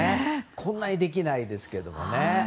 こんなにできないですけどね。